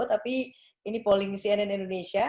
tapi ini polling cnn indonesia